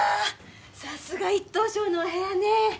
さすが１等賞のお部屋ね。